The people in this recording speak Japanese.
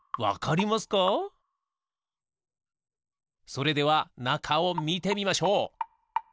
それではなかをみてみましょう！